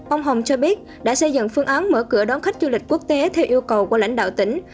ông hồng cho biết đã xây dựng phương án mở cửa đón khách du lịch quốc tế theo yêu cầu của lãnh đạo tỉnh